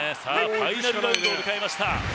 ファイナルラウンドを迎えました。